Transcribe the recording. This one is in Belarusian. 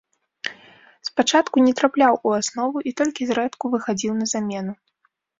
Спачатку не трапляў у аснову і толькі зрэдку выхадзіў на замену.